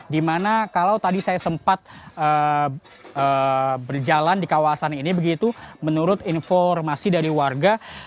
dimana kalau tadi saya sempat berjalan di kawasan ini begitu menurut informasi dari warga